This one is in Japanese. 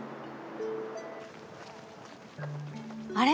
あれ？